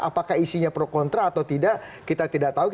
apakah isinya pro kontra atau tidak kita tidak tahu